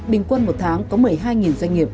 bình quân một tháng có một mươi hai doanh nghiệp